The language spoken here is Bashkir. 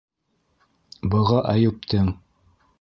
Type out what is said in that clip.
Быға Әйүптең: